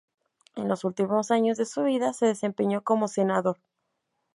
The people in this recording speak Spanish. En los últimos años de su vida, se desempeñó como Senador.